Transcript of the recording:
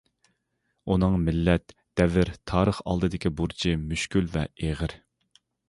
ئۇنىڭ مىللەت، دەۋر، تارىخ ئالدىدىكى بۇرچى مۈشكۈل ۋە ئېغىر.